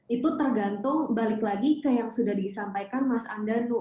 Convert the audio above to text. itu tergantung balik lagi ke yang sudah disampaikan mas andanu